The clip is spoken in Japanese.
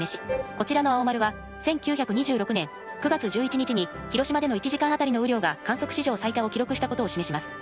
こちらの青丸は１９２６年９月１１日に広島での１時間あたりの雨量が観測史上最多を記録したことを示します。